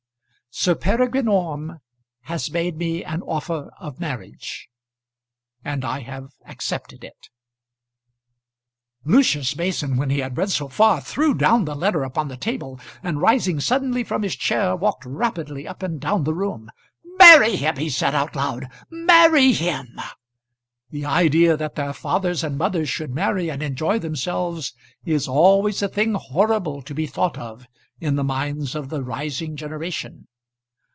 Sir Peregrine Orme has made me an offer of marriage and I have accepted it Lucius Mason when he had read so far threw down the letter upon the table, and rising suddenly from his chair walked rapidly up and down the room. "Marry him!" he said out loud, "marry him!" The idea that their fathers and mothers should marry and enjoy themselves is always a thing horrible to be thought of in the minds of the rising generation.